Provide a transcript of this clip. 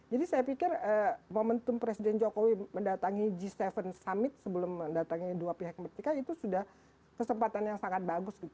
jadi saya pikir momentum presiden jokowi mendatangi g tujuh summit sebelum mendatangi dua pihak ketika itu sudah kesempatan yang sangat bagus